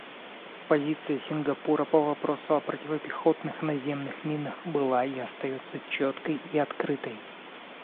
Позиция Сингапура по вопросу о противопехотных наземных минах была и остается четкой и открытой.